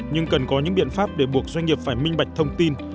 nhưng cần có những biện pháp để buộc doanh nghiệp phải minh bạch thông tin